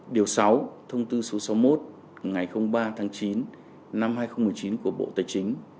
điều sáu thông tư số sáu mươi một ngày ba tháng chín năm hai nghìn một mươi chín của bộ tài chính